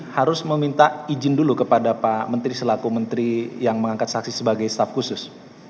harus meminta izin dulu kepada pak menteri selaku menteri yang mengangkat saksi sebagai staff khusus